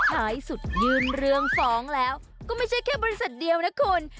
ท้ายสุดยื่นเรื่องฟ้องแล้วก็ไม่ใช่แค่บริษัทเดียวนะคุณ